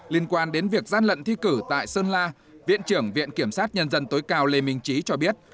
liên quan đến việc gian lận thi cử tại sơn la viện trưởng viện kiểm sát nhân dân tối cao lê minh trí cho biết